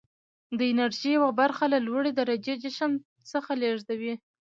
د انرژي یوه برخه له لوړې درجې جسم څخه لیږدوي.